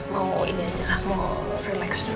mau ini aja lah mau relax dulu